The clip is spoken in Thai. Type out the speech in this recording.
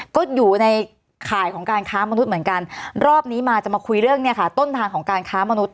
และพ่อทุทธเหมือนกันรอบนี้มาจะมาคุยเรื่องนี่ค่ะต้นทางของกาลค้ามนุษย์